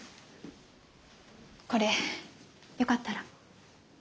これよかったら。